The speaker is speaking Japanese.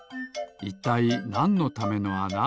いったいなんのためのあな？